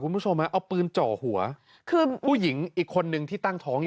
คุณผู้ชมเอาปืนเจาะหัวคือผู้หญิงอีกคนนึงที่ตั้งท้อง